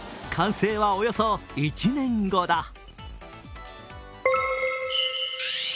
完成はおよそ１年後だ。